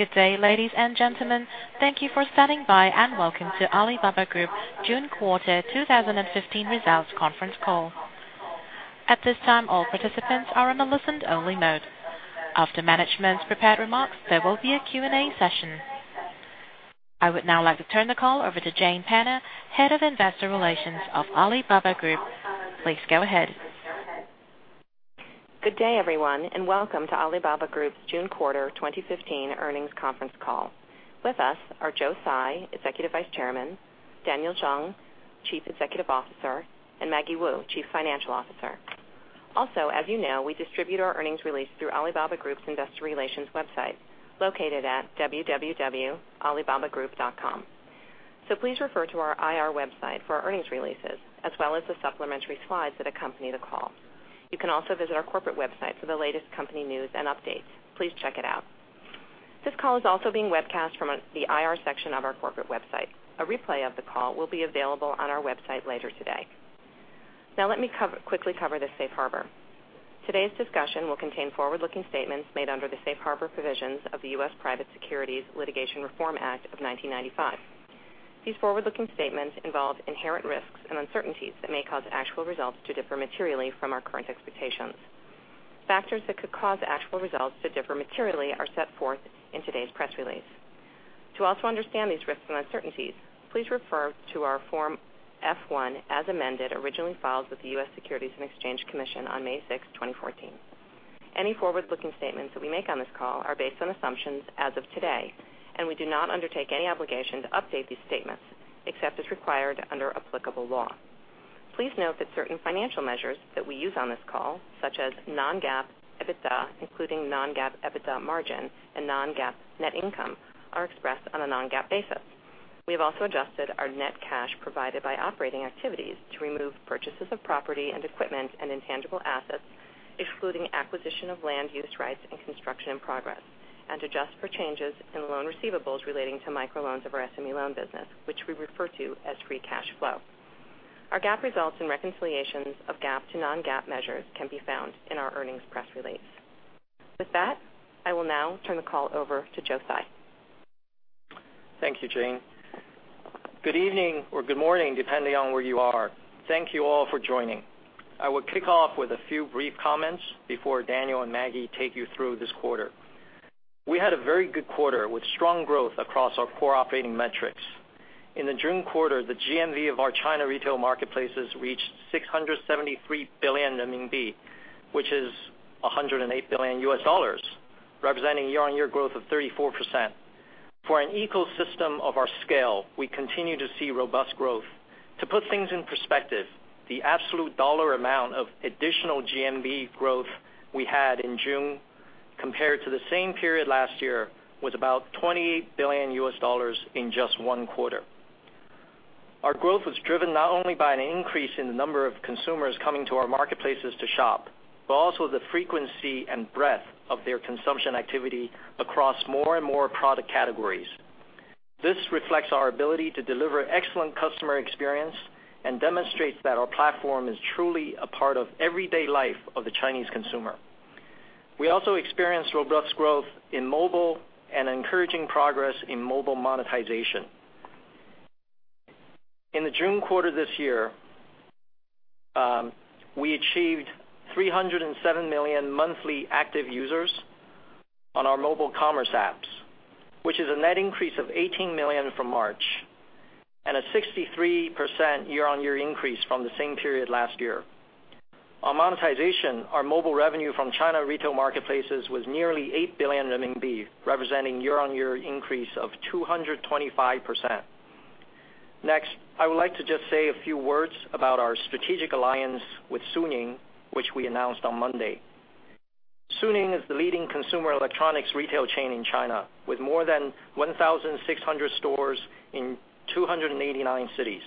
Good day, ladies and gentlemen. Thank you for standing by, and welcome to Alibaba Group June Quarter 2015 Results Conference Call. At this time, all participants are in a listen only mode. After management's prepared remarks, there will be a Q&A session. I would now like to turn the call over to Jane Penner, Head of Investor Relations of Alibaba Group. Please go ahead. Good day, everyone, and welcome to Alibaba Group's June Quarter 2015 Earnings Conference Call. With us are Joe Tsai, Executive Vice Chairman, Daniel Zhang, Chief Executive Officer, and Maggie Wu, Chief Financial Officer. Also, as you know, we distribute our earnings release through Alibaba Group's investor relations website located at www.alibabagroup.com. Please refer to our IR website for our earnings releases as well as the supplementary slides that accompany the call. You can also visit our corporate website for the latest company news and updates. Please check it out. This call is also being webcast from the IR section of our corporate website. A replay of the call will be available on our website later today. Now let me cover, quickly cover the safe harbor. Today's discussion will contain forward-looking statements made under the safe harbor provisions of the U.S. Private Securities Litigation Reform Act of 1995. These forward-looking statements involve inherent risks and uncertainties that may cause actual results to differ materially from our current expectations. Factors that could cause actual results to differ materially are set forth in today's press release. To also understand these risks and uncertainties, please refer to our Form F-1 as amended, originally filed with the U.S. Securities and Exchange Commission on 6 May 2014. Any forward-looking statements that we make on this call are based on assumptions as of today. We do not undertake any obligation to update these statements except as required under applicable law. Please note that certain financial measures that we use on this call, such as non-GAAP EBITDA, including non-GAAP EBITDA margin and non-GAAP net income, are expressed on a non-GAAP basis. We have also adjusted our net cash provided by operating activities to remove purchases of property and equipment and intangible assets, excluding acquisition of land use rights and construction in progress, and adjust for changes in loan receivables relating to microloans of our SME loan business, which we refer to as free cash flow. Our GAAP results and reconciliations of GAAP to non-GAAP measures can be found in our earnings press release. With that, I will now turn the call over to Joe Tsai. Thank you, Jane. Good evening or good morning, depending on where you are. Thank you all for joining. I will kick off with a few brief comments before Daniel and Maggie take you through this quarter. We had a very good quarter with strong growth across our core operating metrics. In the June quarter, the GMV of our China retail marketplaces reached 673 billion RMB, which is $108 billion, representing year-on-year growth of 34%. For an ecosystem of our scale, we continue to see robust growth. To put things in perspective, the absolute dollar amount of additional GMV growth we had in June compared to the same period last year was about $28 billion in just one quarter. Our growth was driven not only by an increase in the number of consumers coming to our marketplaces to shop, but also the frequency and breadth of their consumption activity across more and more product categories. This reflects our ability to deliver excellent customer experience and demonstrates that our platform is truly a part of everyday life of the Chinese consumer. We also experienced robust growth in mobile and encouraging progress in mobile monetization. In the June quarter this year, we achieved 307 million monthly active users on our mobile commerce apps, which is a net increase of 18 million from March and a 63% year-on-year increase from the same period last year. On monetization, our mobile revenue from China retail marketplaces was nearly 8 billion RMB, representing year-on-year increase of 225%. Next, I would like to just say a few words about our strategic alliance with Suning, which we announced on Monday. Suning is the leading consumer electronics retail chain in China with more than 1,600 stores in 289 cities.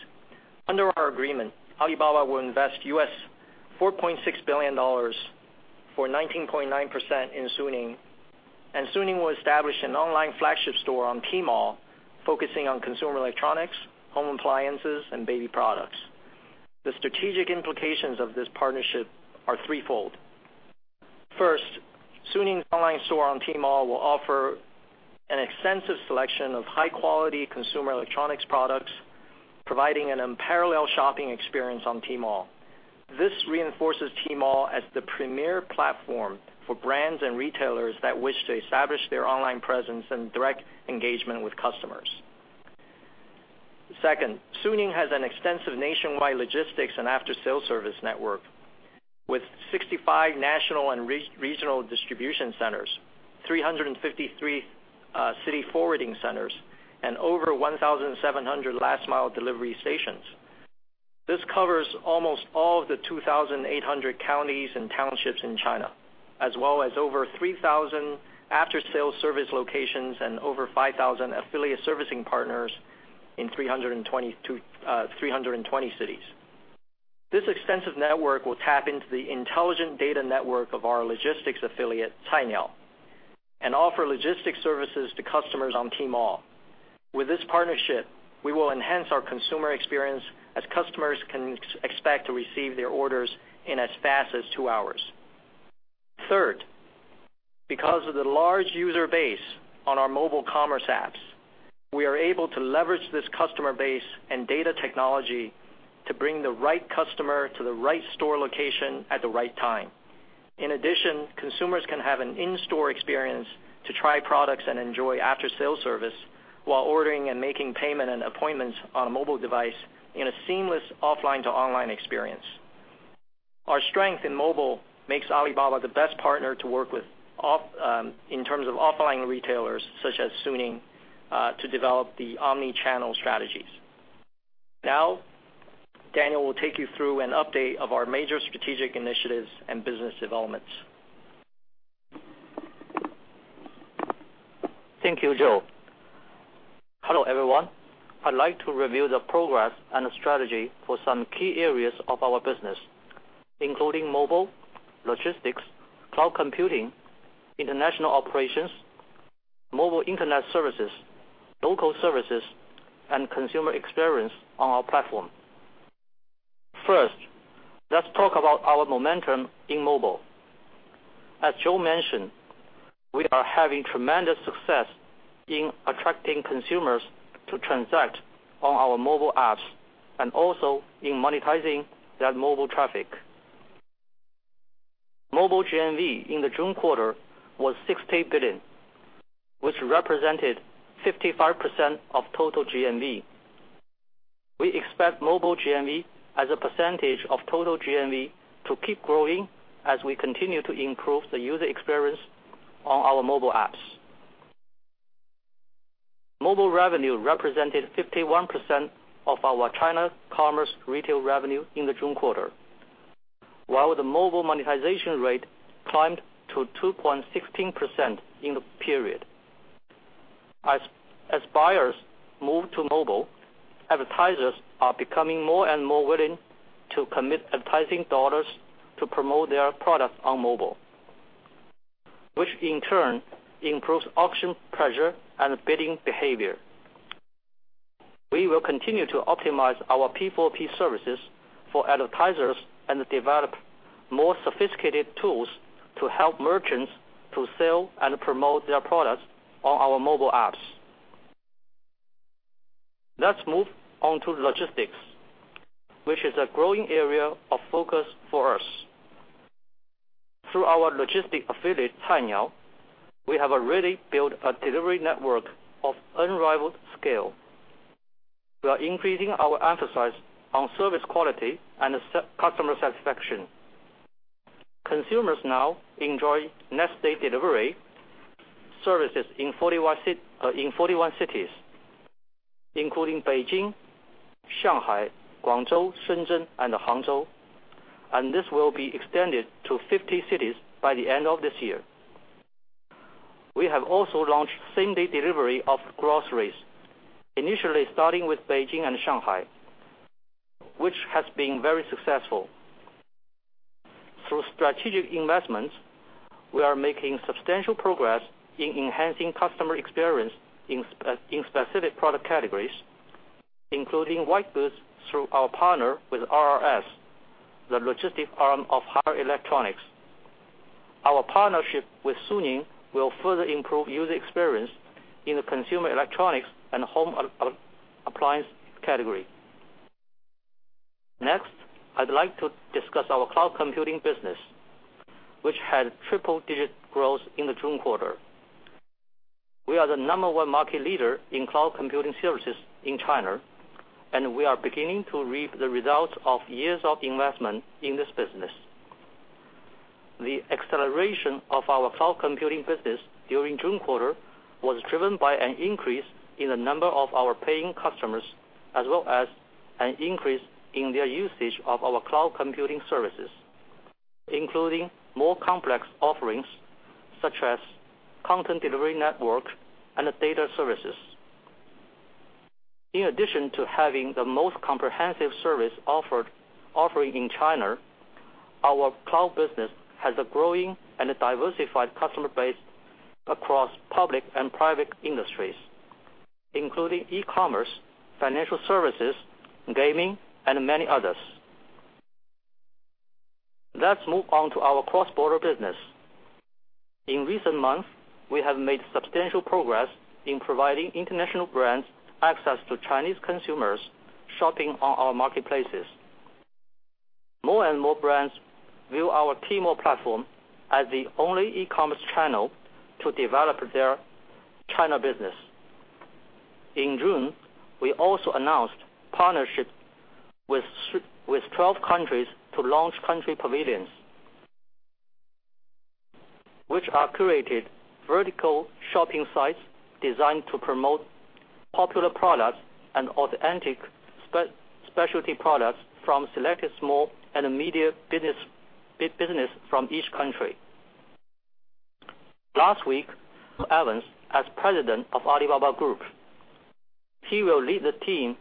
Under our agreement, Alibaba will invest $4.6 billion for 19.9% in Suning, and Suning will establish an online flagship store on Tmall focusing on consumer electronics, home appliances and baby products. The strategic implications of this partnership are threefold. First, Suning's online store on Tmall will offer an extensive selection of high-quality consumer electronics products, providing an unparalleled shopping experience on Tmall. This reinforces Tmall as the premier platform for brands and retailers that wish to establish their online presence and direct engagement with customers. Second, Suning has an extensive nationwide logistics and after-sales service network with 65 national and re-regional distribution centers, 353 city forwarding centers and over 1,700 last mile delivery stations. This covers almost all of the 2,800 counties and townships in China, as well as over 3,000 after-sales service locations and over 5,000 affiliate servicing partners in 320 cities. This extensive network will tap into the intelligent data network of our logistics affiliate, Cainiao, and offer logistics services to customers on Tmall. With this partnership, we will enhance our consumer experience as customers can expect to receive their orders in as fast as two hours. Third, because of the large user base on our mobile commerce apps, we are able to leverage this customer base and data technology to bring the right customer to the right store location at the right time. In addition, consumers can have an in-store experience to try products and enjoy after-sale service while ordering and making payment and appointments on a mobile device in a seamless offline to online experience. Our strength in mobile makes Alibaba the best partner to work with off, in terms of offline retailers such as Suning, to develop the omni-channel strategies. Daniel will take you through an update of our major strategic initiatives and business developments. Thank you, Joe. Hello, everyone. I'd like to review the progress and the strategy for some key areas of our business, including mobile, logistics, cloud computing, international operations, mobile internet services, local services, and consumer experience on our platform. Let's talk about our momentum in mobile. As Joe mentioned, we are having tremendous success in attracting consumers to transact on our mobile apps and also in monetizing that mobile traffic. Mobile GMV in the June quarter was 60 billion, which represented 55% of total GMV. We expect mobile GMV as a percentage of total GMV to keep growing as we continue to improve the user experience on our mobile apps. Mobile revenue represented 51% of our China commerce retail revenue in the June quarter, while the mobile monetization rate climbed to 2.16% in the period. As buyers move to mobile, advertisers are becoming more and more willing to commit advertising dollars to promote their products on mobile, which in turn improves auction pressure and bidding behavior. We will continue to optimize our P4P services for advertisers and develop more sophisticated tools to help merchants to sell and promote their products on our mobile apps. Let's move on to logistics, which is a growing area of focus for us. Through our logistic affiliate, Cainiao, we have already built a delivery network of unrivaled scale. We are increasing our emphasis on service quality and customer satisfaction. Consumers now enjoy next day delivery services in 41 cities, including Beijing, Shanghai, Guangzhou, Shenzhen, and Hangzhou, and this will be extended to 50 cities by the end of this year. We have also launched same-day delivery of groceries, initially starting with Beijing and Shanghai, which has been very successful. Through strategic investments, we are making substantial progress in enhancing customer experience in specific product categories, including white goods through our partner with RRS, the logistics arm of Haier Electronics. Our partnership with Suning will further improve user experience in the consumer electronics and home appliance category. Next, I'd like to discuss our cloud computing business, which had triple-digit growth in the June quarter. We are the number one market leader in cloud computing services in China, and we are beginning to reap the results of years of investment in this business. The acceleration of our cloud computing business during June quarter was driven by an increase in the number of our paying customers, as well as an increase in their usage of our cloud computing services, including more complex offerings such as content delivery network and data services. In addition to having the most comprehensive service offering in China, our cloud business has a growing and a diversified customer base across public and private industries, including e-commerce, financial services, gaming, and many others. Let's move on to our cross-border business. In recent months, we have made substantial progress in providing international brands access to Chinese consumers shopping on our marketplaces. More and more brands view our Tmall platform as the only e-commerce channel to develop their China business. In June, we also announced partnerships with 12 countries to launch country pavilions. Which are curated vertical shopping sites designed to promote popular products and authentic specialty products from selected small and medium business from each country. Last week, Michael Evans as President of Alibaba Group, he will lead the team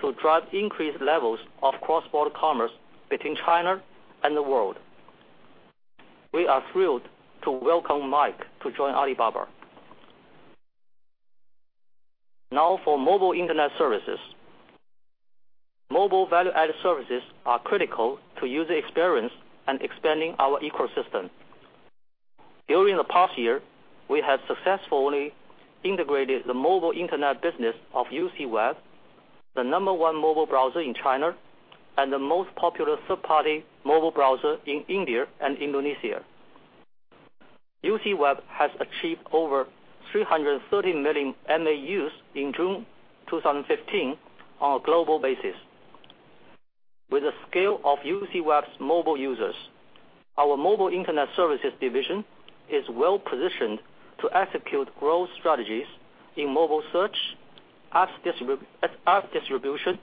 to drive increased levels of cross-border commerce between China and the world. We are thrilled to welcome Michael Evans to join Alibaba. For mobile internet services. Mobile value-added services are critical to user experience and expanding our ecosystem. During the past year, we have successfully integrated the mobile internet business of UCWeb, the number one mobile browser in China, and the most popular third-party mobile browser in India and Indonesia. UCWeb has achieved over 330 million MAUs in June 2015 on a global basis. With the scale of UCWeb's mobile users, our mobile internet services division is well-positioned to execute growth strategies in mobile search, app distribution,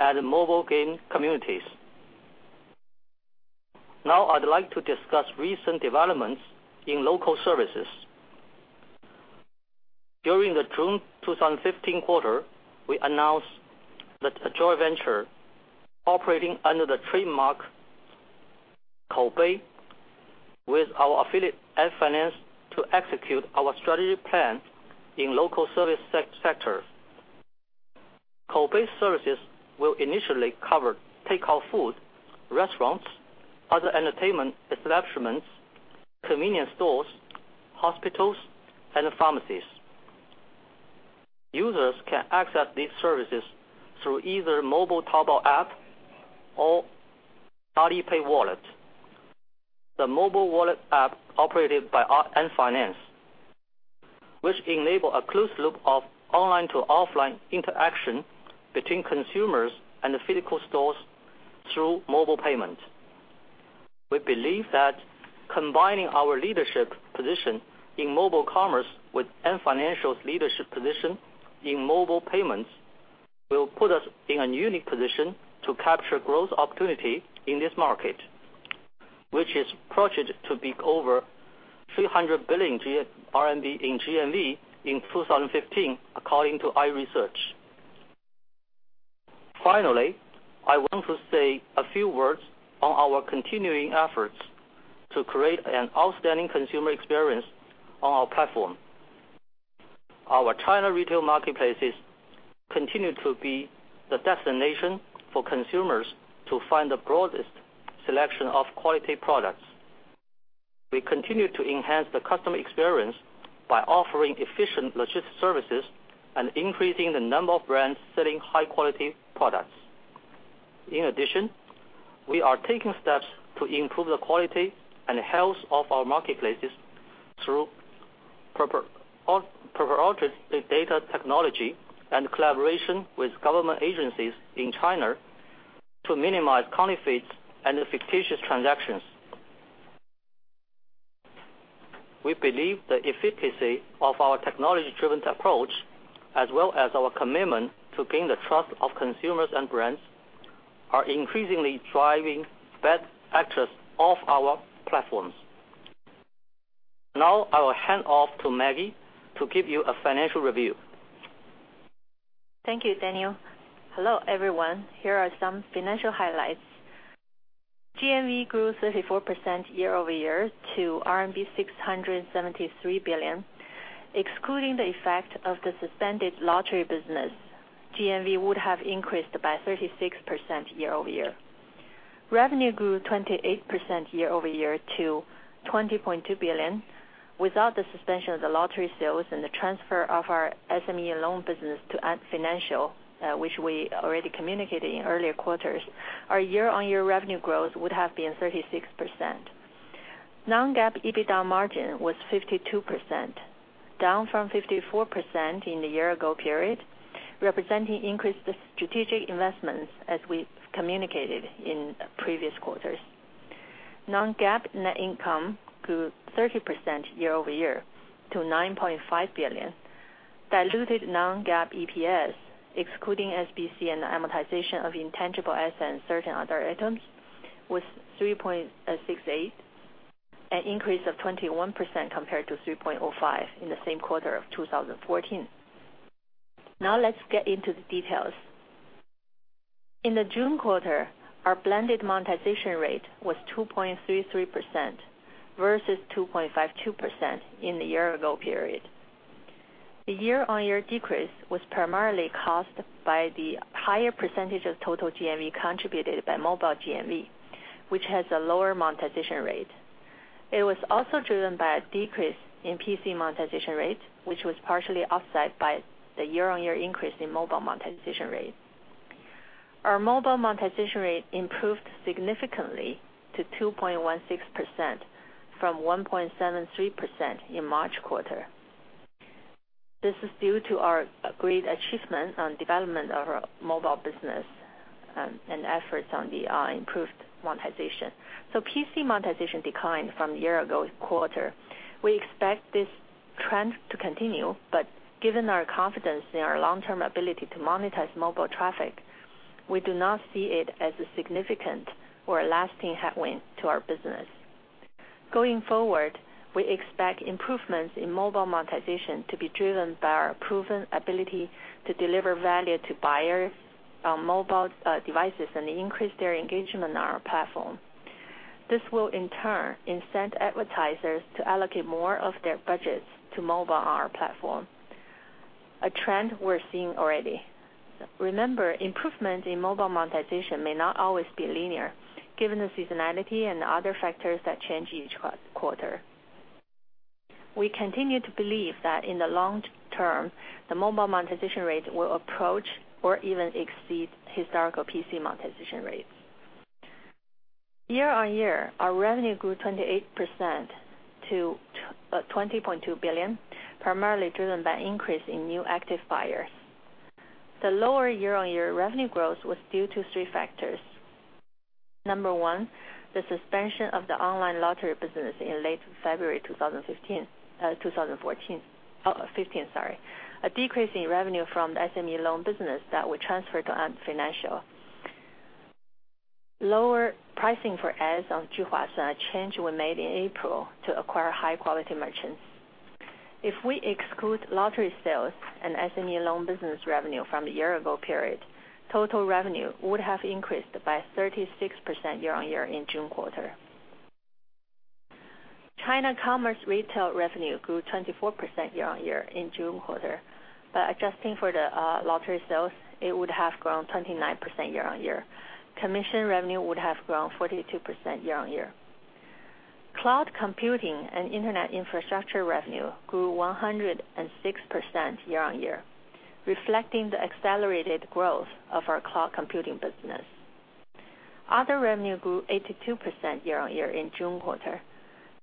and mobile game communities. I'd like to discuss recent developments in local services. During the June 2015 quarter, we announced that a joint venture operating under the trademark Koubei with our affiliate Ant Financial to execute our strategic plan in local service sectors. Koubei services will initially cover takeout food, restaurants, other entertainment establishments, convenience stores, hospitals, and pharmacies. Users can access these services through either Mobile Taobao app or Alipay wallet. The mobile wallet app operated by our Ant Financial, which enable a closed loop of online to offline interaction between consumers and the physical stores through mobile payment. We believe that combining our leadership position in mobile commerce with Ant Financial's leadership position in mobile payments will put us in a unique position to capture growth opportunity in this market, which is projected to be over 300 billion RMB in GMV in 2015 according to iResearch. I want to say a few words on our continuing efforts to create an outstanding consumer experience on our platform. Our China retail marketplaces continue to be the destination for consumers to find the broadest selection of quality products. We continue to enhance the customer experience by offering efficient logistic services and increasing the number of brands selling high-quality products. We are taking steps to improve the quality and health of our marketplaces through proprietary data technology and collaboration with government agencies in China to minimize counterfeits and fictitious transactions. We believe the efficacy of our technology-driven approach, as well as our commitment to gain the trust of consumers and brands, are increasingly driving best access of our platforms. Now I will hand off to Maggie to give you a financial review. Thank you, Daniel. Hello, everyone. Here are some financial highlights. GMV grew 34% year-over-year to RMB 673 billion. Excluding the effect of the suspended lottery business, GMV would have increased by 36% year-over-year. Revenue grew 28% year-over-year to 20.2 billion. Without the suspension of the lottery sales and the transfer of our SME loan business to Ant Financial, which we already communicated in earlier quarters, our year-on-year revenue growth would have been 36%. Non-GAAP EBITDA margin was 52%, down from 54% in the year ago period, representing increased strategic investments as we've communicated in previous quarters. Non-GAAP net income grew 30% year-over-year to 9.5 billion. Diluted Non-GAAP EPS, excluding SBC and amortization of intangible assets and certain other items, was $3.68, an increase of 21% compared to $3.05 in the same quarter of 2014. Now let's get into the details. In the June quarter, our blended monetization rate was 2.33% versus 2.52% in the year ago period. The year-on-year decrease was primarily caused by the higher percentage of total GMV contributed by mobile GMV, which has a lower monetization rate. It was also driven by a decrease in PC monetization rate, which was partially offset by the year-on-year increase in mobile monetization rate. Our mobile monetization rate improved significantly to 2.16% from 1.73% in March quarter. This is due to our great achievement on development of our mobile business and efforts on the improved monetization. PC monetization declined from the year ago quarter. We expect this trend to continue, but given our confidence in our long-term ability to monetize mobile traffic, we do not see it as a significant or lasting headwind to our business. Going forward, we expect improvements in mobile monetization to be driven by our proven ability to deliver value to buyers on mobile devices and increase their engagement on our platform. This will in turn incent advertisers to allocate more of their budgets to mobile on our platform, a trend we're seeing already. Remember, improvements in mobile monetization may not always be linear given the seasonality and other factors that change each quarter. We continue to believe that in the long term, the mobile monetization rate will approach or even exceed historical PC monetization rates. Year-on-year, our revenue grew 28% to 20.2 billion, primarily driven by increase in new active buyers. The lower year-on-year revenue growth was due to three factors. Number one, the suspension of the online lottery business in late February 2015. A decrease in revenue from the SME loan business that we transferred to Ant Financial. Lower pricing for ads on, a change we made in April to acquire high-quality merchants. If we exclude lottery sales and SME loan business revenue from the year-ago period, total revenue would have increased by 36% year-on-year in June quarter. China commerce retail revenue grew 24% year-on-year in June quarter. By adjusting for the lottery sales, it would have grown 29% year-on-year. Commission revenue would have grown 42% year-on-year. Cloud computing and internet infrastructure revenue grew 106% year-on-year, reflecting the accelerated growth of our cloud computing business. Other revenue grew 82% year-on-year in June quarter,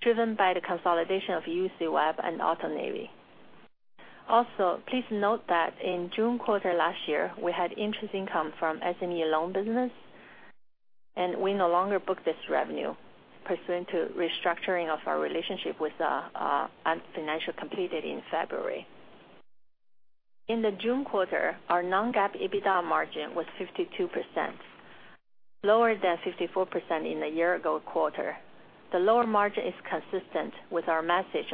driven by the consolidation of UCWeb and AutoNavi. Also, please note that in June quarter last year, we had interest income from SME loan business, and we no longer book this revenue pursuant to restructuring of our relationship with Ant Financial completed in February. In the June quarter, our non-GAAP EBITDA margin was 52%, lower than 54% in the year-ago quarter. The lower margin is consistent with our message,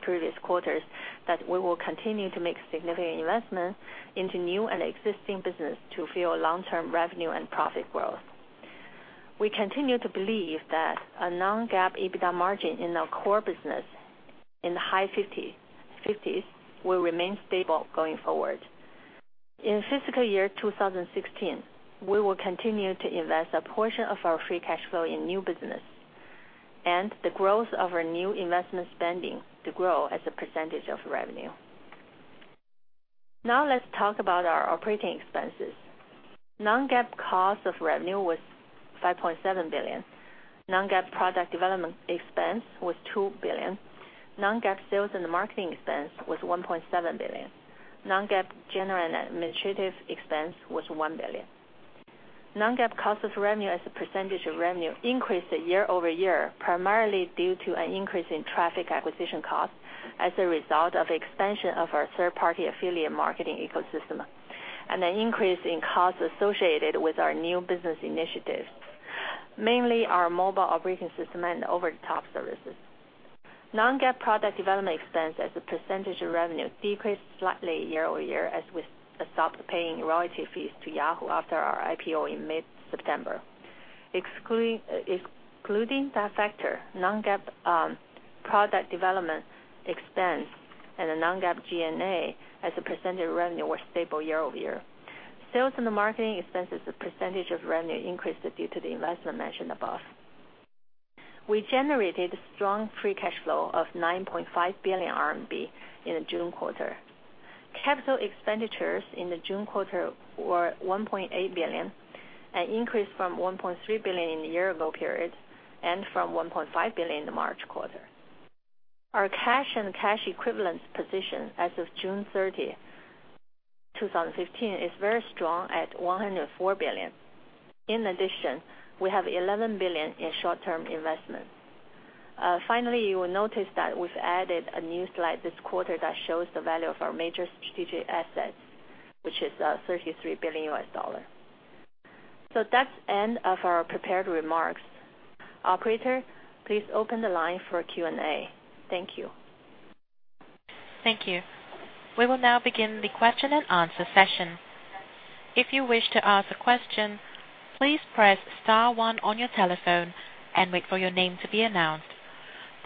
previous quarters, that we will continue to make significant investment into new and existing business to fuel long-term revenue and profit growth. We continue to believe that a non-GAAP EBITDA margin in our core business in the high 50s will remain stable going forward. In fiscal year 2016, we will continue to invest a portion of our free cash flow in new business, and the growth of our new investment spending to grow as a % of revenue. Let's talk about our operating expenses. Non-GAAP cost of revenue was 5.7 billion. Non-GAAP product development expense was 2 billion. Non-GAAP sales and marketing expense was 1.7 billion. Non-GAAP general and administrative expense was 1 billion. Non-GAAP cost of revenue as a percentage of revenue increased year-over-year, primarily due to an increase in traffic acquisition costs as a result of expansion of our third-party affiliate marketing ecosystem, and an increase in costs associated with our new business initiatives, mainly our mobile operating system and over-the-top services. Non-GAAP product development expense as a percentage of revenue decreased slightly year-over-year as we stopped paying royalty fees to Yahoo after our IPO in mid-September. Excluding that factor, non-GAAP product development expense and the non-GAAP G&A as a percentage of revenue were stable year-over-year. Sales and marketing expenses as a percentage of revenue increased due to the investment mentioned above. We generated strong free cash flow of 9.5 billion RMB in the June quarter. CapEx in the June quarter were 1.8 billion, an increase from 1.3 billion in the year-ago period and from 1.5 billion in the March quarter. Our cash and cash equivalents position as of June 30, 2015, is very strong at 104 billion. In addition, we have 11 billion in short-term investments. Finally, you will notice that we've added a new slide this quarter that shows the value of our major strategic assets, which is $33 billion. That's end of our prepared remarks. Operator, please open the line for Q&A. Thank you. Thank you. We will now begin the question-and-answer session. If you wish to ask a question, please press star one on your telephone and wait for your name to be announced.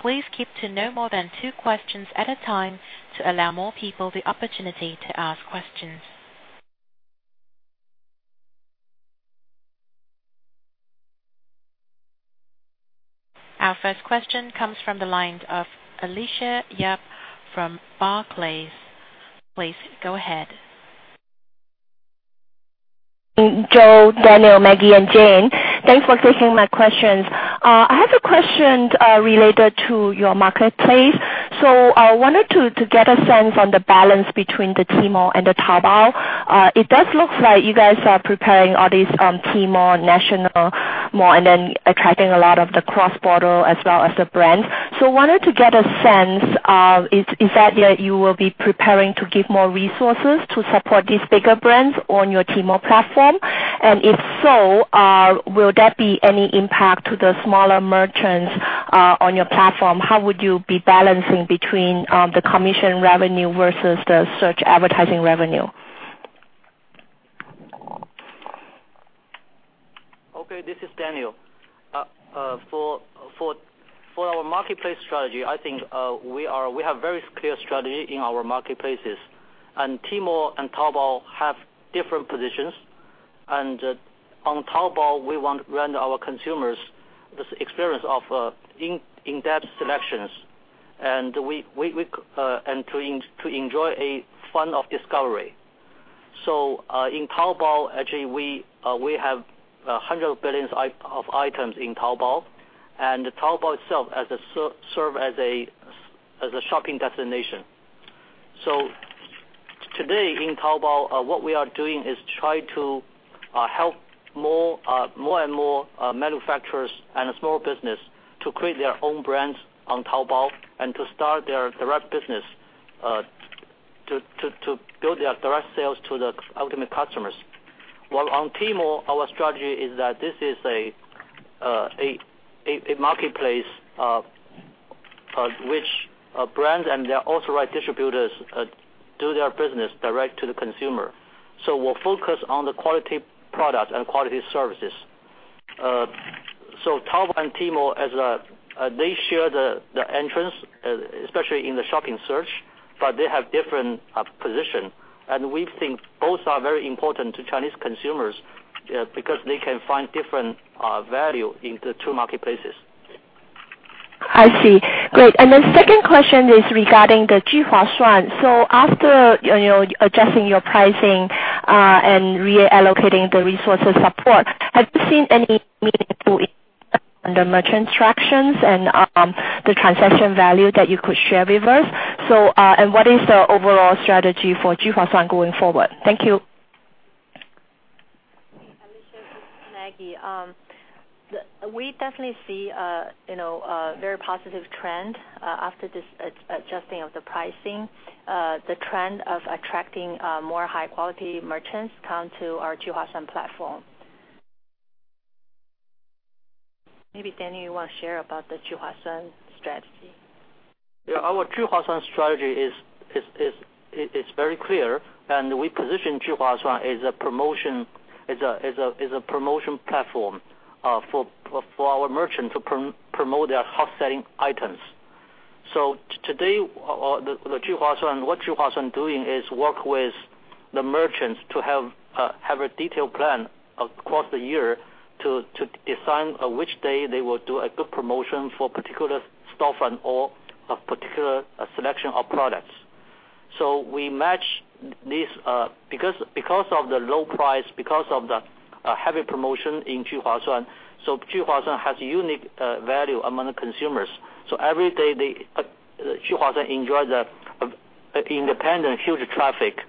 Please keep to no more than two questions at a time to allow more people the opportunity to ask questions. Our first question comes from the line of Alicia Yap from Barclays. Please go ahead. Joe, Daniel, Maggie, and Jane, thanks for taking my questions. I have a question related to your marketplace. I wanted to get a sense on the balance between the Tmall and the Taobao. It does look like you guys are preparing all these Tmall national mall and then attracting a lot of the cross-border as well as the brands. I wanted to get a sense of is that you will be preparing to give more resources to support these bigger brands on your Tmall platform? If so, will there be any impact to the smaller merchants on your platform? How would you be balancing between the commission revenue versus the search advertising revenue? This is Daniel. For our marketplace strategy, we have very clear strategy in our marketplaces. Tmall and Taobao have different positions. On Taobao, we want to render our consumers this experience of in-depth selections and to enjoy a fun of discovery. In Taobao, we have 100 billion items in Taobao. Taobao itself serve as a shopping destination. Today in Taobao, what we are doing is try to help more and more manufacturers and small business to create their own brands on Taobao and to start their direct business to build their direct sales to the ultimate customers. While on Tmall, our strategy is that this is a marketplace, which brands and their authorized distributors do their business direct to the consumer. We'll focus on the quality products and quality services. Taobao and Tmall as a they share the entrance, especially in the shopping search, but they have different position. We think both are very important to Chinese consumers, because they can find different value in the two marketplaces. I see. Great. The second question is regarding the Juhuasuan. After, you know, adjusting your pricing, and reallocating the resources support, have you seen any meaningful under merchant tractions and the transaction value that you could share with us? What is the overall strategy for Juhuasuan going forward? Thank you. Alicia, this is Maggie. We definitely see a, you know, a very positive trend after this adjusting of the pricing. The trend of attracting more high quality merchants come to our Juhuasuan platform. Maybe, Daniel, you wanna share about the Juhuasuan strategy. Yeah. Our Juhuasuan strategy is, it's very clear, and we position Juhuasuan as a promotion as a, as a promotion platform for our merchants to promote their hot selling items. Today, the Juhuasuan, what Juhuasuan doing is work with the merchants to have a detailed plan across the year to decide which day they will do a good promotion for particular storefront or a particular selection of products. We match this, because of the low price, because of the heavy promotion in Juhuasuan, so Juhuasuan has unique value among the consumers. Every day they, Juhuasuan enjoy the independent huge traffic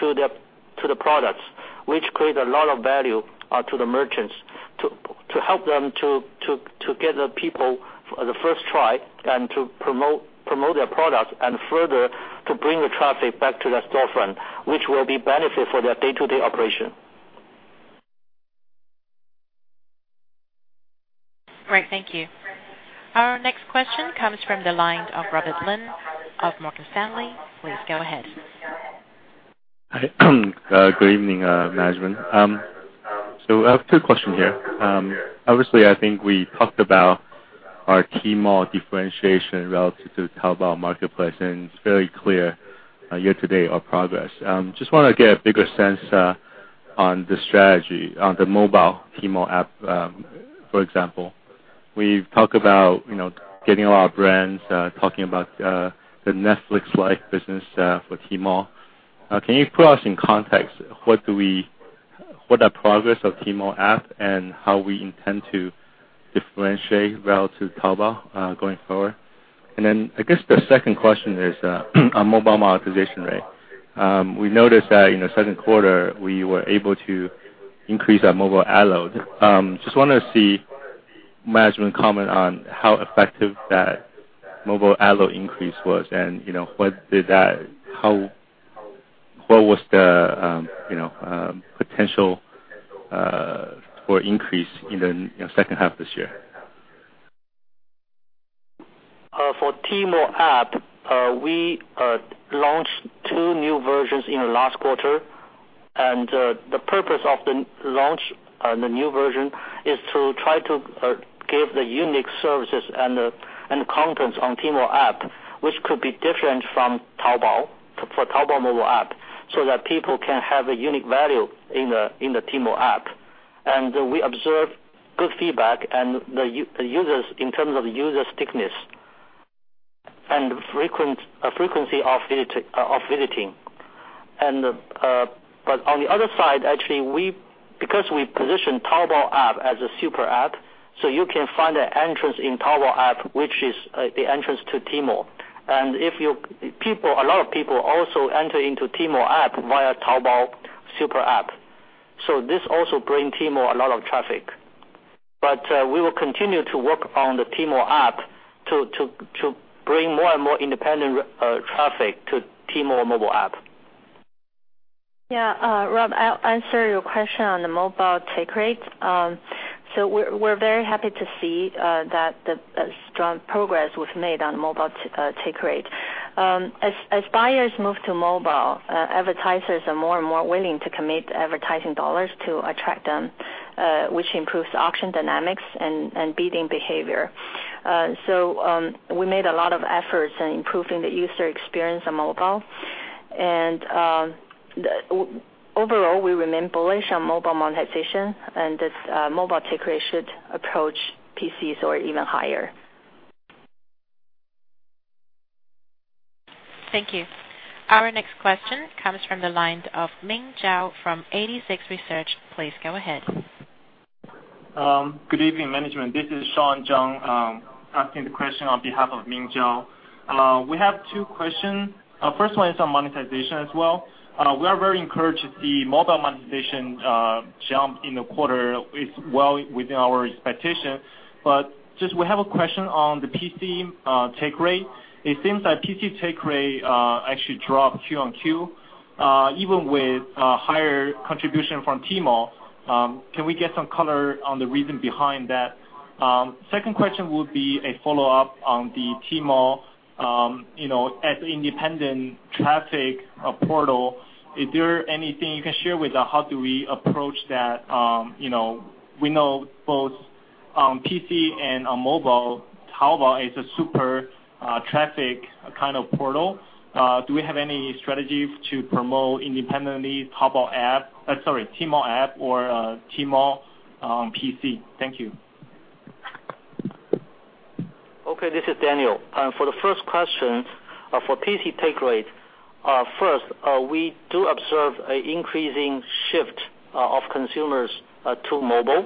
to the products, which create a lot of value to the merchants to help them to get the people the first try and to promote their products, and further, to bring the traffic back to their storefront, which will be benefit for their day-to-day operation. Great. Thank you. Our next question comes from the line of Robert Lin of Morgan Stanley. Please go ahead. Hi. Good evening, management. I have two question here. Obviously, I think we talked about our Tmall differentiation relative to Taobao marketplace, and it's very clear, year to date our progress. Just wanna get a bigger sense on the strategy on the mobile Tmall app, for example. We've talked about, you know, getting a lot of brands, talking about the Netflix-like business for Tmall. Can you put us in context, what are progress of Tmall app and how we intend to differentiate relative to Taobao, going forward? I guess the second question is on mobile monetization rate. We noticed that in the second quarter, we were able to increase our mobile ad load. Just wanna see management comment on how effective that mobile ad load increase was, and, you know, what was the, you know, potential for increase in the, you know, second half this year? For Tmall app, we launched two new versions in the last quarter. The purpose of the launch and the new version is to try to give the unique services and contents on Tmall app, which could be different from Taobao, for Taobao mobile app, so that people can have a unique value in the Tmall app. We observe good feedback and the users, in terms of user stickiness and frequent frequency of visiting. On the other side, actually, we, because we position Taobao app as a super app, so you can find an entrance in Taobao app, which is the entrance to Tmall. A lot of people also enter into Tmall app via Taobao super app. This also bring Tmall a lot of traffic. We will continue to work on the Tmall app to bring more and more independent traffic to Tmall mobile app. Yeah, Robert, I'll answer your question on the mobile take rate. We're very happy to see that the strong progress was made on mobile take rate. As buyers move to mobile, advertisers are more and more willing to commit advertising dollars to attract them, which improves the auction dynamics and bidding behavior. We made a lot of efforts in improving the user experience on mobile. Overall, we remain bullish on mobile monetization, this mobile take rate should approach PCs or even higher. Thank you. Our next question comes from the line of Ming Zhou from 86Research. Please go ahead. Good evening, management. This is Sean Zhang, asking the question on behalf of Chun Ming Zhao. We have two questions. First one is on monetization as well. We are very encouraged to see mobile monetization jump in the quarter is well within our expectation. Just we have a question on the PC take rate. It seems that PC take rate actually dropped quarter-on-quarter, even with higher contribution from Tmall. Can we get some color on the reason behind that? Second question would be a follow-up on the Tmall, you know, as independent traffic portal, is there anything you can share with how do we approach that, you know, we know both on PC and on mobile, Taobao is a super traffic kind of portal. Do we have any strategy to promote independently Taobao app, sorry, Tmall app or, Tmall, PC? Thank you. Okay, this is Daniel. For the first question, for PC take rate, first, we do observe a increasing shift of consumers to mobile.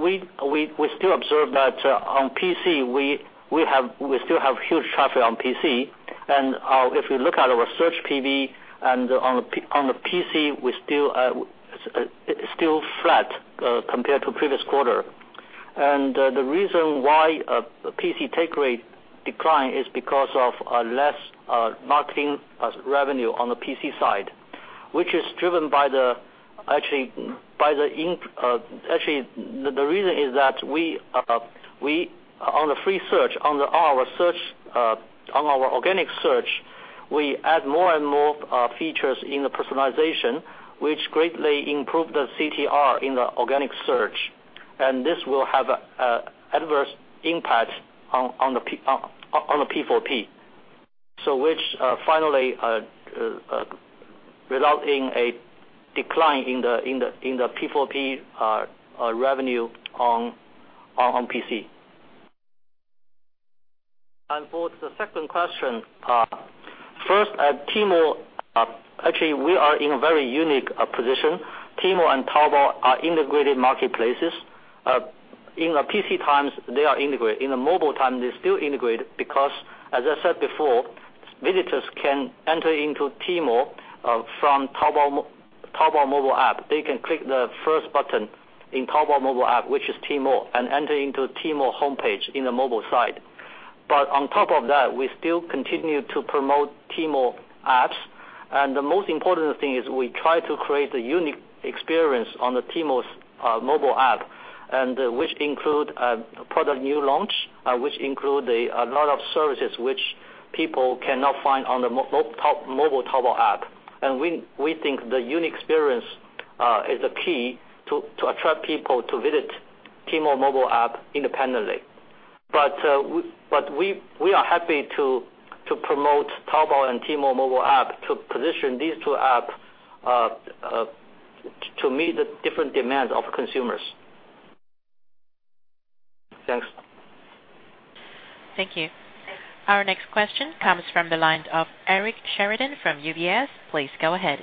We still observe that on PC, we still have huge traffic on PC. If you look at our search PV on the PC, we still, it's still flat compared to previous quarter. The reason why a PC take rate decline is because of less marketing as revenue on the PC side, which is driven by actually, the reason is that we, on the free search, on our search, on our organic search, we add more and more features in the personalization, which greatly improve the CTR in the organic search. This will have an adverse impact on the P4P. Which finally resulting a decline in the P4P revenue on PC. For the second question, first at Tmall, actually we are in a very unique position. Tmall and Taobao are integrated marketplaces. In the PC times, they are integrated. In the mobile time, they're still integrated because as I said before, visitors can enter into Tmall from Taobao mobile app. They can click the first button in Taobao mobile app, which is Tmall, and enter into Tmall homepage in the mobile site. On top of that, we still continue to promote Tmall apps. The most important thing is we try to create a unique experience on the Tmall's mobile app, and which include product new launch, which include a lot of services which people cannot find on the mobile Taobao app. We think the unique experience is the key to attract people to visit Tmall mobile app independently. We are happy to promote Taobao and Tmall mobile app to position these two app to meet the different demands of consumers. Thanks. Thank you. Our next question comes from the line of Eric Sheridan from UBS. Please go ahead.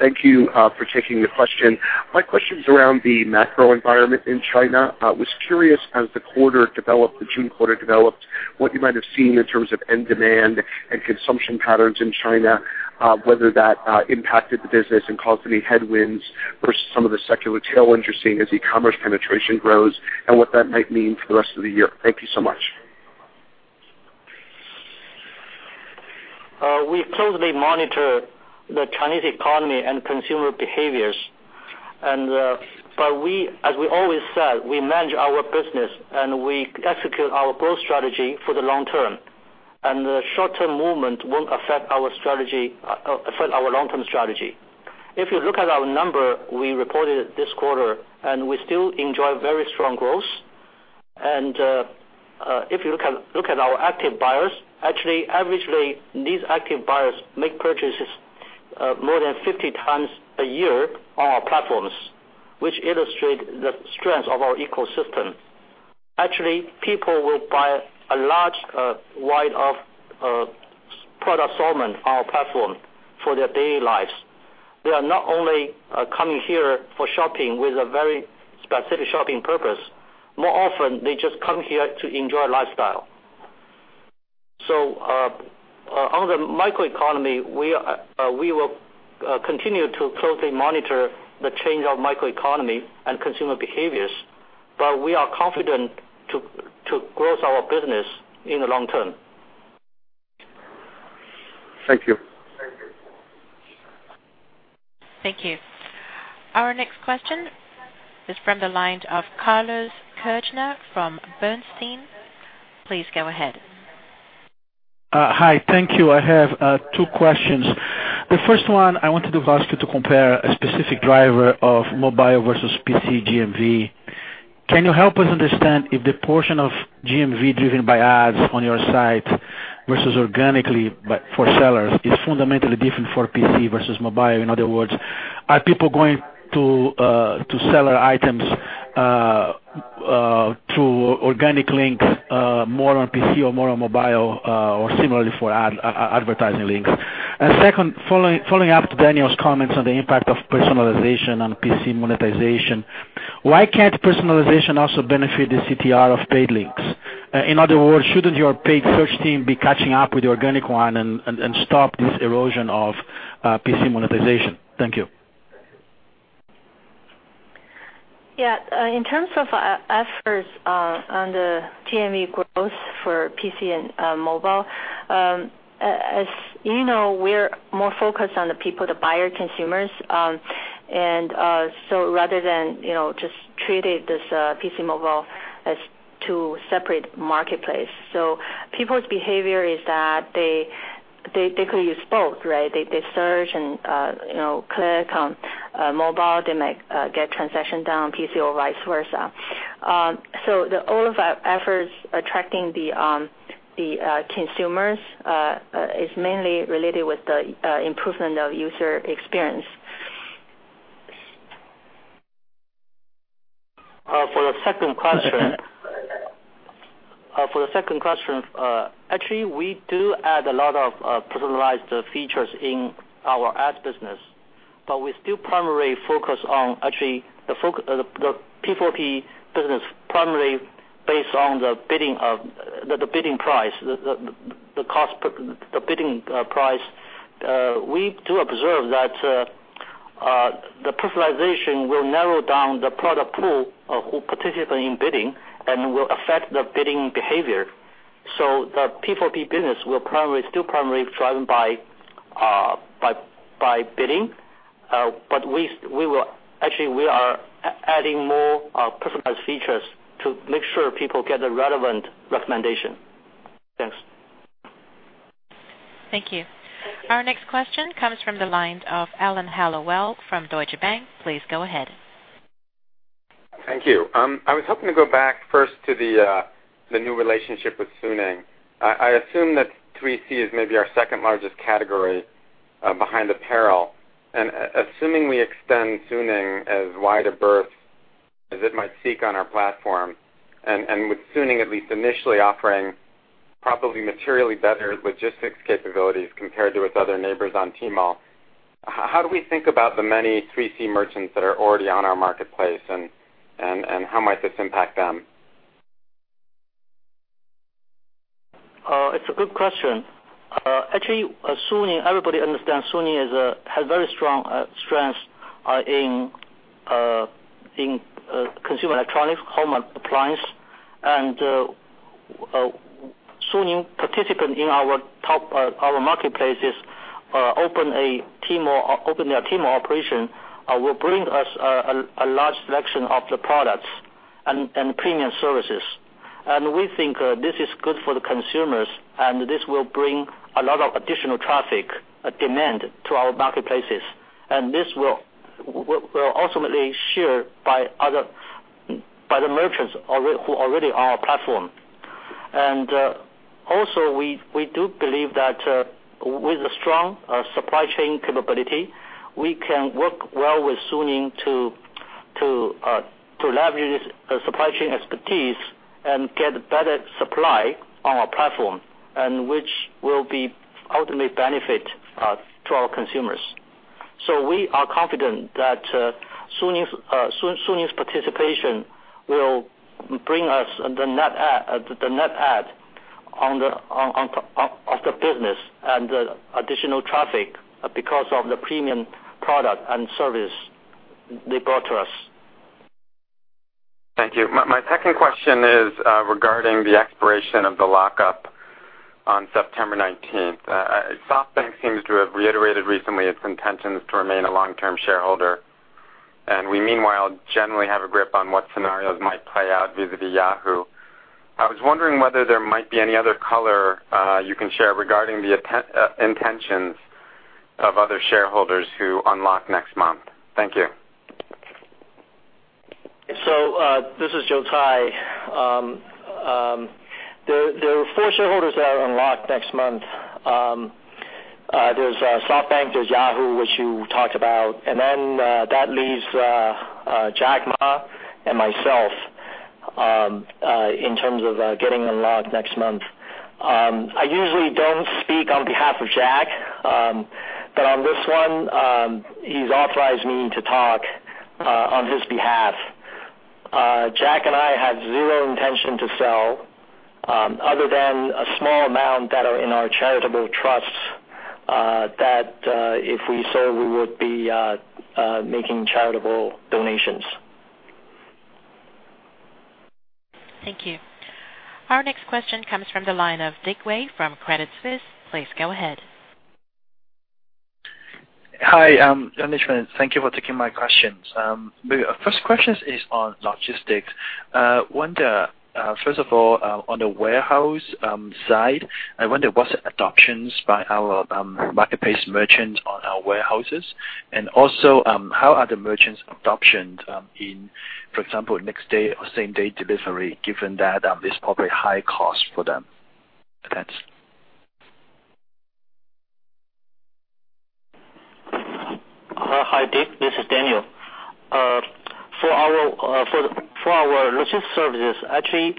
Thank you for taking the question. My question is around the macro environment in China. Was curious as the quarter developed, the June quarter developed, what you might have seen in terms of end demand and consumption patterns in China, whether that impacted the business and caused any headwinds versus some of the secular tailwinds you're seeing as e-commerce penetration grows, and what that might mean for the rest of the year. Thank you so much. We closely monitor the Chinese economy and consumer behaviors. We, as we always said, we manage our business and we execute our growth strategy for the long term. The short-term movement won't affect our strategy, affect our long-term strategy. If you look at our number, we reported this quarter, we still enjoy very strong growth. If you look at our active buyers, actually, averagely, these active buyers make purchases more than 50x a year on our platforms, which illustrate the strength of our ecosystem. Actually, people will buy a large, wide of product assortment on our platform for their daily lives. They are not only coming here for shopping with a very specific shopping purpose. More often, they just come here to enjoy lifestyle. On the microeconomy, we will continue to closely monitor the change of microeconomy and consumer behaviors, but we are confident to grow our business in the long term. Thank you. Thank you. Our next question is from the line of Carlos Kirjner-Neto from Bernstein. Please go ahead. Hi. Thank you. I have two questions. The first one I wanted to ask you to compare a specific driver of mobile versus PC GMV. Can you help us understand if the portion of GMV driven by ads on your site versus organically by, for sellers is fundamentally different for PC versus mobile? In other words, are people going to to seller items, to organic links, more on PC or more on mobile, or similarly for advertising links? Second, following up to Daniel Zhang's comments on the impact of personalization on PC monetization, why can't personalization also benefit the CTR of paid links? In other words, shouldn't your paid search team be catching up with the organic one and stop this erosion of PC monetization? Thank you. Yeah. In terms of efforts on the GMV growth for PC and mobile, as you know, we're more focused on the people, the buyer consumers. Rather than, you know, just treating this PC mobile as two separate marketplace. People's behavior is that they could use both, right? They search and, you know, click on mobile. They might get transaction done on PC or vice versa. All of our efforts attracting the consumers is mainly related with the improvement of user experience. For the second question, actually, we do add a lot of personalized features in our ads business, but we still primarily focus on actually the P4P business primarily based on the bidding of, the bidding price, the cost per bidding price. We do observe that the personalization will narrow down the product pool of who participate in bidding and will affect the bidding behavior. The P4P business will still primarily driven by bidding. We will Actually, we are adding more personalized features to make sure people get the relevant recommendation. Thanks. Thank you. Our next question comes from the line of Alan Hellawell from Deutsche Bank. Please go ahead. Thank you. I was hoping to go back first to the new relationship with Suning. I assume that 3C is maybe our second-largest category behind apparel. Assuming we extend Suning as wide a berth as it might seek on our platform, and with Suning at least initially offering probably materially better logistics capabilities compared to its other neighbors on Tmall, how do we think about the many 3C merchants that are already on our marketplace and how might this impact them? It's a good question. Actually, Suning, everybody understands Suning is has very strong strengths in consumer electronics, home appliance. Suning participant in our Taobao marketplaces open a Tmall, open their Tmall operation will bring us a large selection of the products and premium services. We think this is good for the consumers, and this will bring a lot of additional traffic demand to our marketplaces. This will ultimately share by the merchants who already are our platform. Also, we do believe that with a strong supply chain capability, we can work well with Suning to leverage the supply chain expertise and get better supply on our platform, which will be ultimate benefit to our consumers. We are confident that Suning's participation will bring us the net ad, the net ad on the business and additional traffic because of the premium product and service they brought to us. Thank you. My second question is regarding the expiration of the lockup on 19th September. SoftBank seems to have reiterated recently its intentions to remain a long-term shareholder. We meanwhile generally have a grip on what scenarios might play out vis-a-vis Yahoo. I was wondering whether there might be any other color you can share regarding the intentions of other shareholders who unlock next month. Thank you. This is Joe Tsai. There are four shareholders that unlock next month. There's SoftBank, there's Yahoo, which you talked about. That leaves Jack Ma and myself, in terms of getting unlocked next month. Half of Jack. On this one, he's authorized me to talk on his behalf. Jack and I have zero intention to sell, other than a small amount that are in our charitable trusts, that if we sell, we would be making charitable donations. Thank you. Our next question comes from the line of Dick Wei from Credit Suisse. Please go ahead. Hi, management. Thank you for taking my questions. My first questions is on logistics. wonder, first of all, on the warehouse side, I wonder what's the adoptions by our marketplace merchants on our warehouses? And also, how are the merchants adopted in, for example, next day or same day delivery, given that it's probably high cost for them? Thanks. Hi, Dick. This is Daniel. For our, for the, for our logistic services, actually,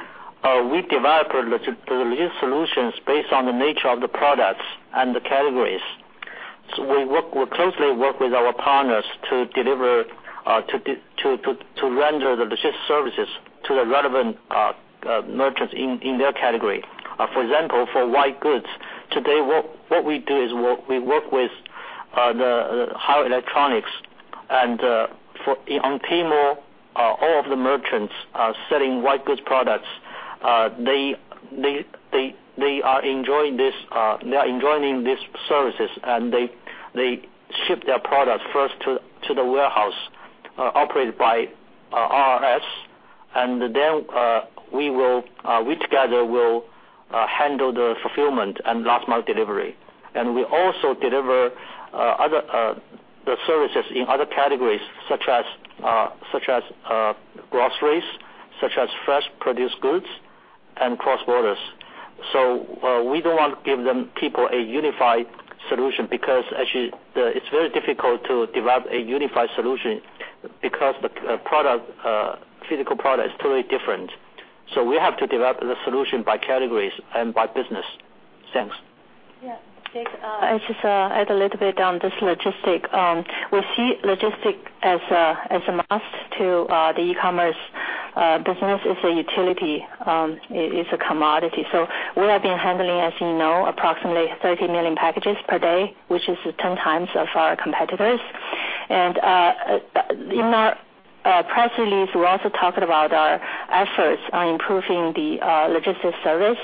we developed the logistic solutions based on the nature of the products and the categories. We closely work with our partners to deliver, to render the logistic services to the relevant merchants in their category. For example, for white goods, today, what we do is we work with the Haier Electronics and for, on Tmall, all of the merchants are selling white goods products. They are enjoying this services, and they ship their products first to the warehouse operated by RRS. We together will handle the fulfillment and last mile delivery. We also deliver other the services in other categories such as groceries, such as fresh produce goods and cross borders. We don't want to give them people a unified solution because actually, it's very difficult to develop a unified solution because the product, physical product is totally different. We have to develop the solution by categories and by business. Thanks. Yeah, Dick, I just add a little bit on this logistics. We see logistics as a, as a must to the e-commerce business. It's a utility. It is a commodity. We have been handling, as you know, approximately 30 million packages per day, which is 10x of our competitors. In our press release, we also talked about our efforts on improving the logistics service.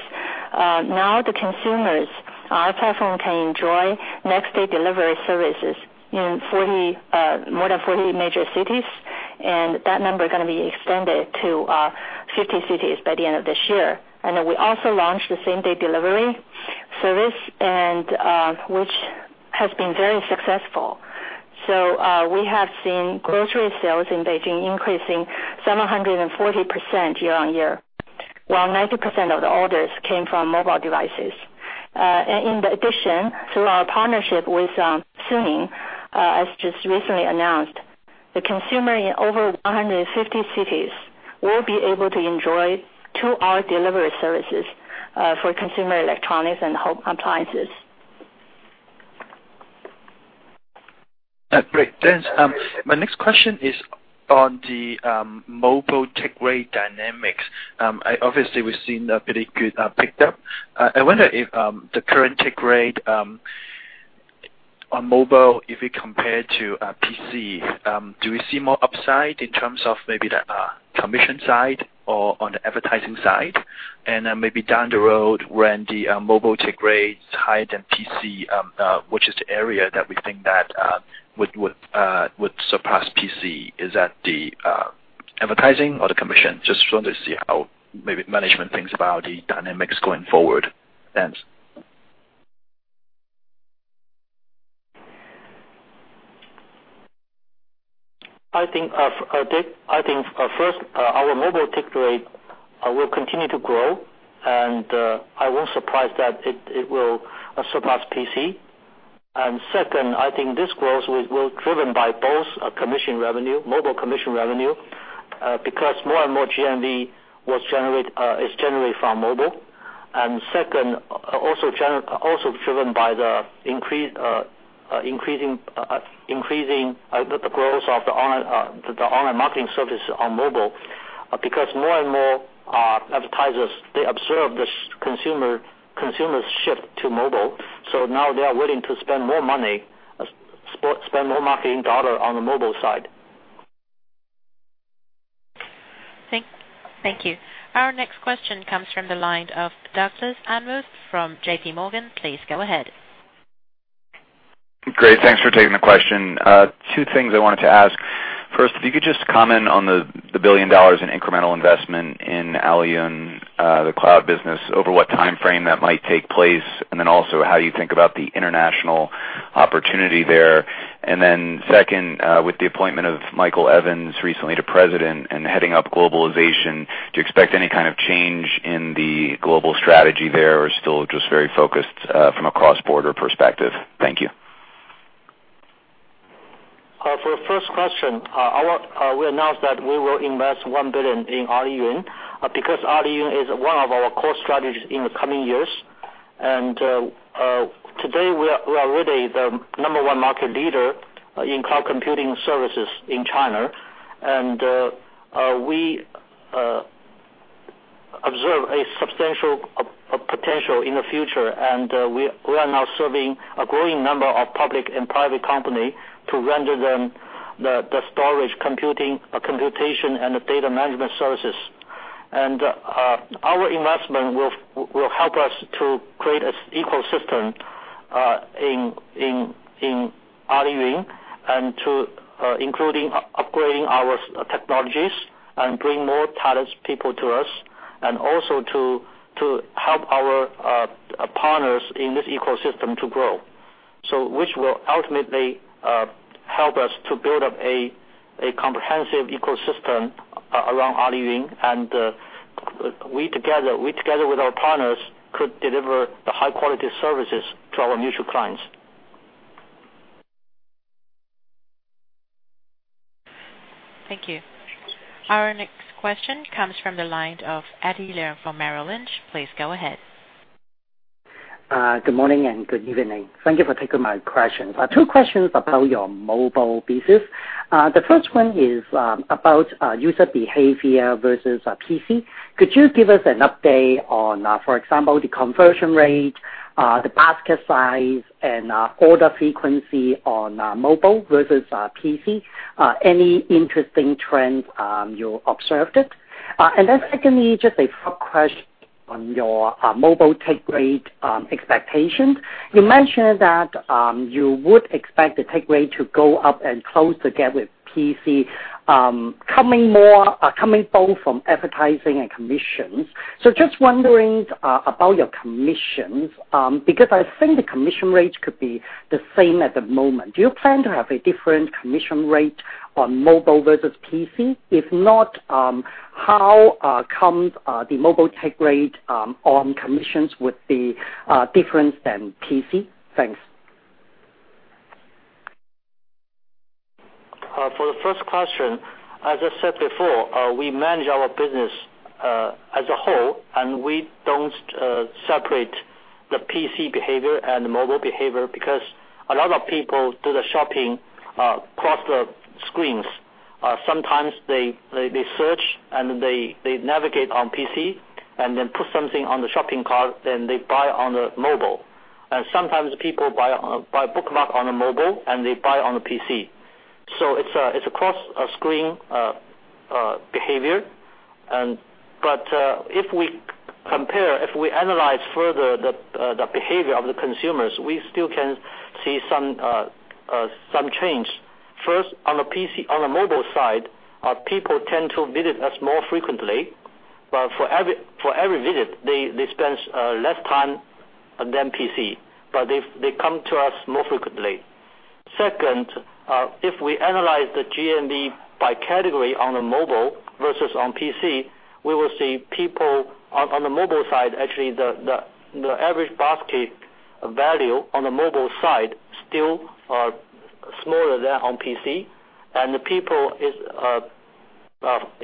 Now the consumers on our platform can enjoy next day delivery services in 40, more than 40 major cities, and that number gonna be extended to 50 cities by the end of this year. We also launched the same day delivery service and which has been very successful. We have seen grocery sales in Beijing increasing 740% year-on-year, while 90% of the orders came from mobile devices. In addition, through our partnership with Suning, as just recently announced, the consumer in over 150 cities will be able to enjoy two hour delivery services for consumer electronics and home appliances. Great. Thanks. My next question is on the mobile take rate dynamics. Obviously we've seen a pretty good pick up. I wonder if the current take rate on mobile, if you compare to PC, do we see more upside in terms of maybe the commission side or on the advertising side? Then maybe down the road when the mobile take rates higher than PC, which is the area that we think that would surpass PC. Is that the advertising or the commission? Just wanted to see how maybe management thinks about the dynamics going forward. Thanks. I think, Dick, I think, first, our mobile take rate will continue to grow and I won't surprise that it will surpass PC. Second, I think this growth will driven by both commission revenue, mobile commission revenue, because more and more GMV is generated from mobile. Second, also driven by the increase, increasing, the growth of the online marketing services on mobile, because more and more advertisers, they observe this consumer shift to mobile. Now they are willing to spend more money, spend more marketing dollar on the mobile side. Thank you. Our next question comes from the line of Douglas Anmuth from JPMorgan. Please go ahead. Great. Thanks for taking the question. Two things I wanted to ask. First, if you could just comment on the $1 billion in incremental investment in AliYun, the cloud business, over what timeframe that might take place, also how you think about the international opportunity there. Second, with the appointment of Michael Evans recently to President and heading up globalization, do you expect any kind of change in the global strategy there, or still just very focused from a cross-border perspective? The first question, our, we announced that we will invest 1 billion in AliYun, because AliYun is one of our core strategies in the coming years. Today, we are really the number one market leader in cloud computing services in China. We observe a substantial potential in the future. We are now serving a growing number of public and private company to render them the storage computing, computation and the data management services. Our investment will help us to create a ecosystem in AliYun and to, including upgrading our technologies and bring more talented people to us and also to help our partners in this ecosystem to grow. Which will ultimately help us to build up a comprehensive ecosystem around AliYun. We together with our partners, could deliver the high-quality services to our mutual clients. Thank you. Our next question comes from the line of Eddie Leung from Merrill Lynch. Please go ahead. Good morning and good evening. Thank you for taking my questions. Two questions about your mobile business. The first one is about user behavior versus PC. Could you give us an update on, for example, the conversion rate, the basket size and order frequency on mobile versus PC? Any interesting trends you observed it? And then secondly, just a follow-up question on your mobile take rate expectations. You mentioned that you would expect the take rate to go up and close the gap with PC, coming more, coming both from advertising and commissions. Just wondering about your commissions, because I think the commission rates could be the same at the moment. Do you plan to have a different commission rate on mobile versus PC? If not, how comes the mobile take rate on commissions with the difference than PC? Thanks. For the first question, as I said before, we manage our business as a whole, and we don't separate the PC behavior and the mobile behavior because a lot of people do the shopping across the screens. Sometimes they search and they navigate on PC and then put something on the shopping cart, then they buy on the mobile. Sometimes people buy bookmark on a mobile, and they buy on a PC. It's a cross-screen behavior. If we compare, if we analyze further the behavior of the consumers, we still can see some change. First, on a mobile side, people tend to visit us more frequently, but for every visit they spend less time than PC, but they come to us more frequently. Second, if we analyze the GMV by category on a mobile versus on PC, we will see people on a mobile side, actually, the average basket value on a mobile side still are smaller than on PC. The people is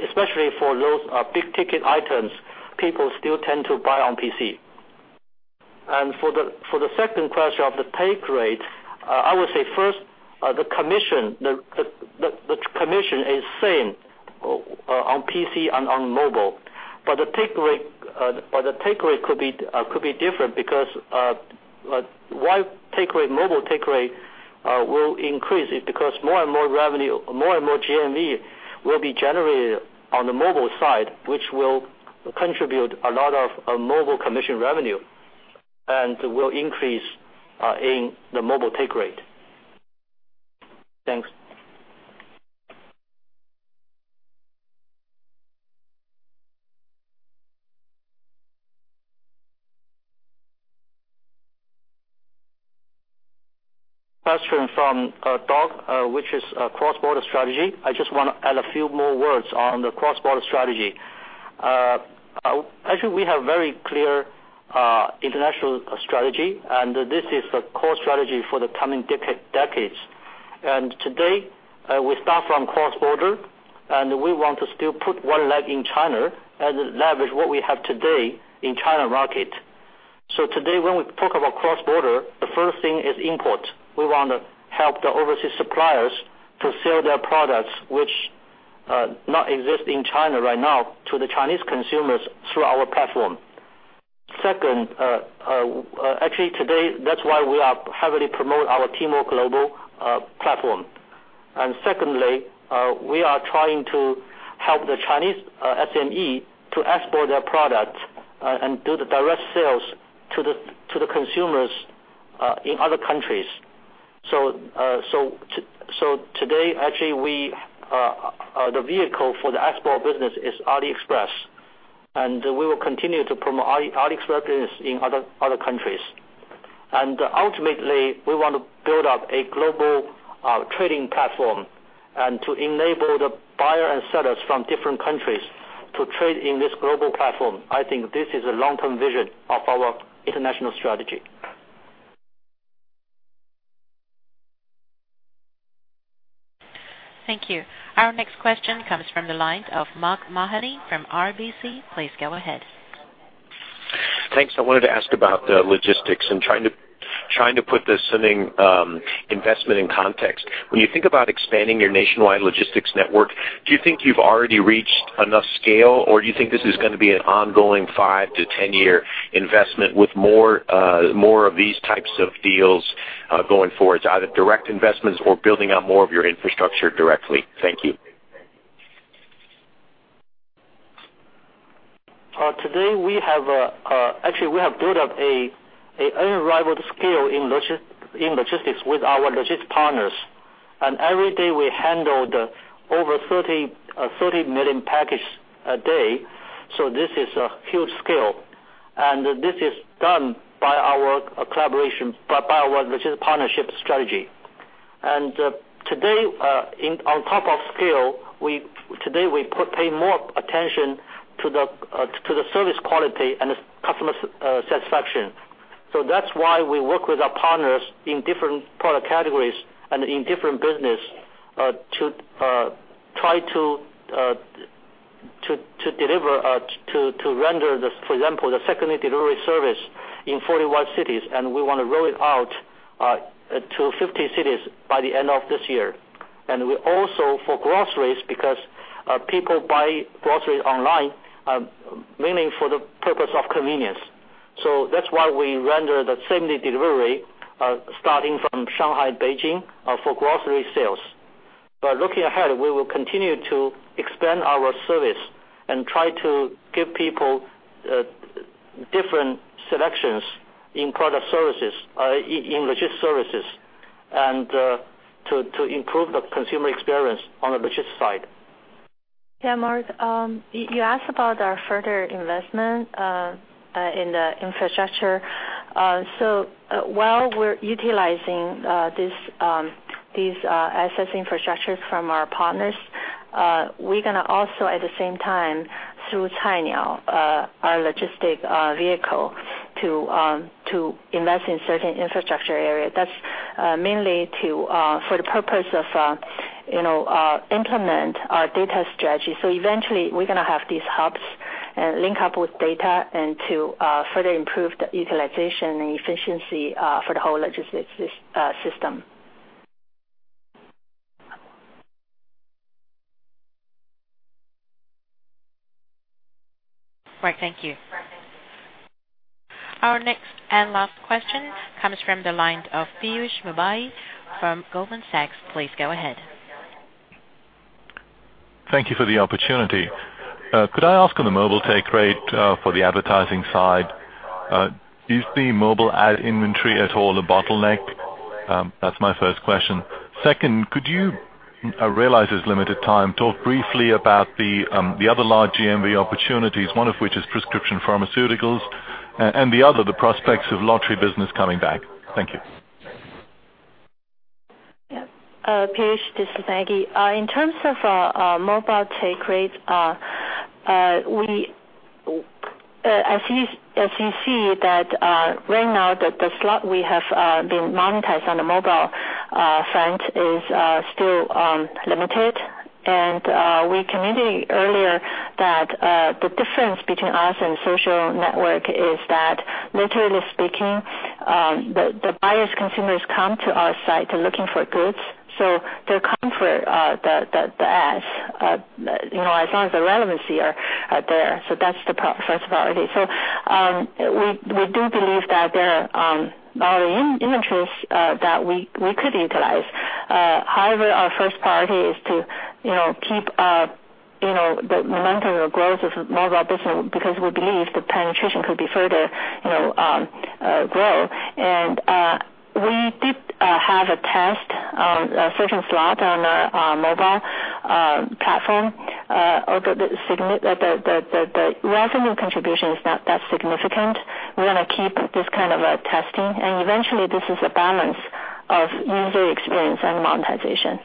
especially for those big-ticket items, people still tend to buy on PC. For the second question of the take rate, I would say first, the commission is same on PC and on mobile. The take rate could be different because why take rate, mobile take rate, will increase is because more and more revenue, more and more GMV will be generated on the mobile side, which will contribute a lot of mobile commission revenue and will increase in the mobile take rate. Thanks. Question from Doug, which is cross-border strategy. I just wanna add a few more words on the cross-border strategy. Actually, we have very clear international strategy, and this is a core strategy for the coming decades. Today, we start from cross-border, and we want to still put one leg in China and leverage what we have today in China market. Today, when we talk about cross-border, the first thing is import. We wanna help the overseas suppliers to sell their products, which not exist in China right now, to the Chinese consumers through our platform. Second, actually today, that's why we are heavily promote our Tmall Global platform. Secondly, we are trying to help the Chinese SME to export their products and do the direct sales to the consumers in other countries. Today, actually, we the vehicle for the export business is AliExpress, and we will continue to promote AliExpress in other countries. Ultimately, we want to build up a global trading platform and to enable the buyer and sellers from different countries to trade in this global platform. I think this is a long-term vision of our international strategy. Thank you. Our next question comes from the line of Mark Mahaney from RBC. Please go ahead. Thanks. I wanted to ask about the logistics and trying to put this investment in context. When you think about expanding your nationwide logistics network, do you think you've already reached enough scale, or do you think this is gonna be an ongoing 5-10-year investment with more, more of these types of deals going forward to either direct investments or building out more of your infrastructure directly? Thank you. Today we have actually, we have built up a unrivaled scale in logistics with our logistics partners. Every day, we handle over 30 million package a day. This is a huge scale. This is done by our collaboration, by our logistics partnership strategy. Today, in On top of scale, today, we put pay more attention to the service quality and the customer satisfaction. That's why we work with our partners in different product categories and in different business to try to deliver to render the, for example, the second-day delivery service in 41 cities, and we wanna roll it out to 50 cities by the end of this year. We also, for groceries, because people buy groceries online, mainly for the purpose of convenience. That's why we render the same-day delivery, starting from Shanghai and Beijing, for grocery sales. Looking ahead, we will continue to expand our service and try to give people different selections in product services, in logistics services and to improve the consumer experience on the logistics side. Yeah, Mark, you asked about our further investment in the infrastructure. While we're utilizing this, these assets infrastructure from our partners, we're gonna also, at the same time, through Cainiao, our logistics vehicle to invest in certain infrastructure area. That's mainly to for the purpose of, you know, implement our data strategy. Eventually, we're gonna have these hubs link up with data and to further improve the utilization and efficiency for the whole logistics system. Right. Thank you. Our next and last question comes from the line of Piyush Mubayi from Goldman Sachs. Please go ahead. Thank you for the opportunity. Could I ask on the mobile take rate, for the advertising side, is the mobile ad inventory at all a bottleneck? That's my first question. Second, could you, I realize there's limited time, talk briefly about the other large GMV opportunities, one of which is prescription pharmaceuticals and the other, the prospects of lottery business coming back? Thank you. Yeah. Piyush, this is Maggie. In terms of our mobile take rates, as you see that, right now, the slot we have been monetized on the mobile front is still limited. We communicated earlier that the difference between us and social network is that literally speaking, the buyers, consumers come to our site looking for goods, so they come for the ads, you know, as long as the relevancy are there. That's the first priority. We do believe that there are a lot of interests that we could utilize. However, our first priority is to, you know, keep, you know, the momentum or growth of mobile business because we believe the penetration could be further, you know, grow. We did have a test, a certain slot on our mobile platform. Although the revenue contribution is not that significant, we're gonna keep this kind of testing, and eventually, this is a balance of user experience and monetization.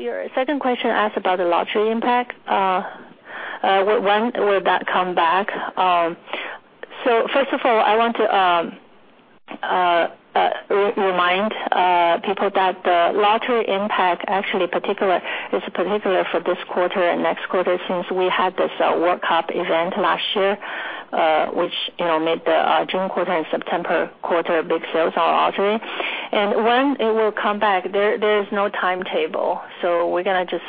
Your second question asked about the lottery impact. When will that come back? First of all, I want to remind people that the lottery impact actually is particular for this quarter and next quarter since we had this World Cup event last year, which, you know, made the June quarter and September quarter big sales on lottery. When it will come back, there is no timetable. We are gonna just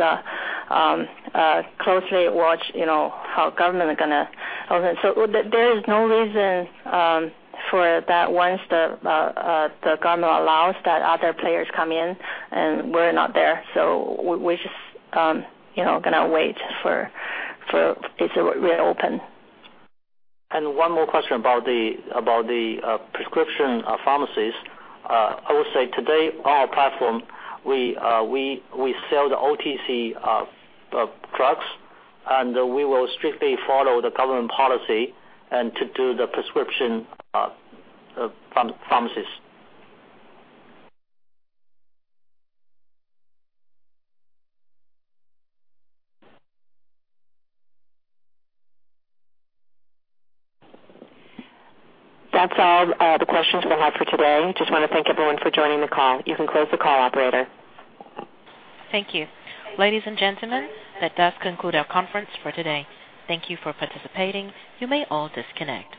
closely watch, you know, how government gonna. There is no reason for that once the government allows that other players come in and we are not there. We just, you know, gonna wait for it to reopen. One more question about the prescription pharmacies. I would say today on our platform, we sell the OTC drugs, and we will strictly follow the government policy and to do the prescription pharmacists. That's all the questions we'll have for today. Just wanna thank everyone for joining the call. You can close the call, operator. Thank you. Ladies and gentlemen, that does conclude our conference for today. Thank you for participating. You may all disconnect.